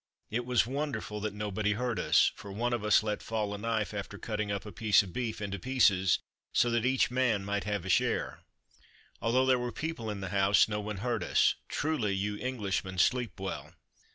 It was wonderful that nobody heard us, for one of us let fall a knife after cutting up a piece of beef into pieces, so that each man might have a share. Although there were people in the house no one heard us; truly you Englishmen sleep well!